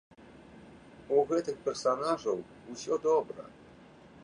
У гэтых персанажаў усё добра.